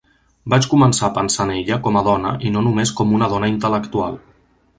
Vaig començar a pensar en ella com a dona i no només com una dona intel·lectual.